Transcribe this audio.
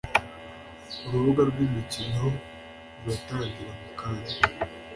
Urubuga rw'imikino ruratangira mukanya